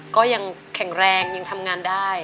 ก็ยังแข็งแรงยังทำงานได้